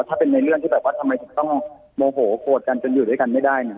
ถ้าเป็นในเรื่องที่แบบว่าทำไมถึงต้องโมโหโกรธกันจนอยู่ด้วยกันไม่ได้เนี่ย